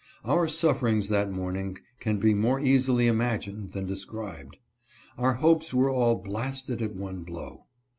Our sufferings that morning can be more easily imagined than described. Our hopes were all blasted at one blow.